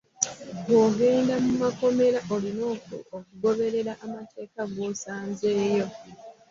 Bw'ogenda mu kkomera olina okugoberera amateeka gw'osanze yo.